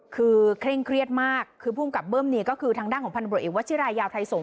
คือเคร่งเครียดมากคือภูมิกับเบิ้มนี่ก็คือทางด้านของพันธุรกิจเอกวัชิรายาวไทยสงฆ